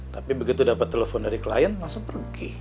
tapi begitu dapat telepon dari klien langsung pergi